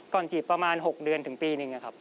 จีบประมาณ๖เดือนถึงปีหนึ่งครับ